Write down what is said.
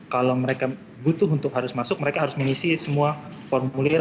kalau mereka butuh untuk harus masuk mereka harus mengisi semua formulir